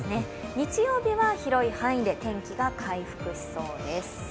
日曜日は広い範囲で天気が回復しそうです。